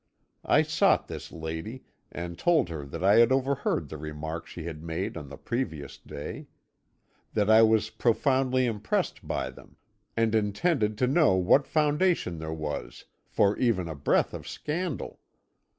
"I sought this lady, and told her that I had overheard the remarks she had made on the previous day; that I was profoundly impressed by them, and intended to know what foundation there was for even a breath of scandal.